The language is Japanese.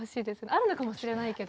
あるのかもしれないけど。